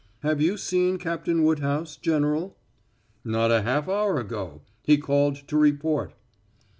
"Have you seen Captain Woodhouse, General?" "Not a half hour ago. He called to report."